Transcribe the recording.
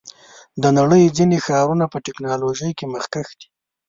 د نړۍ ځینې ښارونه په ټیکنالوژۍ کې مخکښ دي.